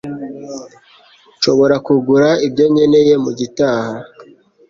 Nshobora kugura ibyo nkeneye mugitaha.